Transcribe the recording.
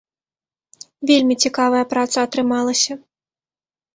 Вельмі цікавая праца атрымалася.